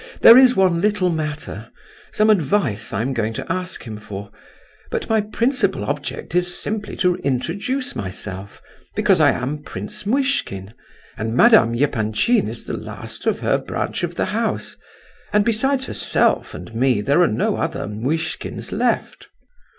There is one little matter—some advice I am going to ask him for; but my principal object is simply to introduce myself, because I am Prince Muishkin, and Madame Epanchin is the last of her branch of the house, and besides herself and me there are no other Muishkins left."